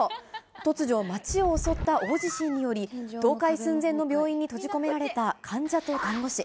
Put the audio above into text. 突如、街を襲った大地震により、倒壊寸前の病院に閉じ込められた患者と看護師。